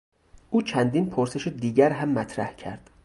او چندین پرسش دیگر را هم مطرح کرد.